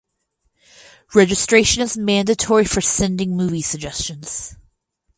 Registration is mandatory for sending movie suggestions.